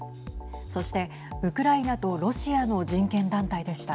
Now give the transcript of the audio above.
そして、ウクライナとロシアの人権団体でした。